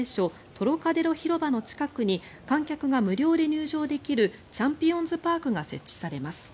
トロカデロ広場の近くに観客が無料で入場できるチャンピオンズ・パークが設置されます。